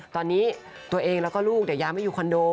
ตอนนี้ตัวเองแล้วก็ลูกเดี๋ยวย้ำให้อยู่คอนโด